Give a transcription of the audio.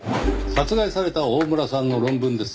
殺害された大村さんの論文です。